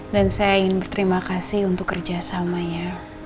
dan saya ingin berterima kasih untuk kerjasamanya